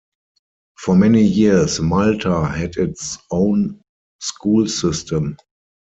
For many years Malta had its own school system.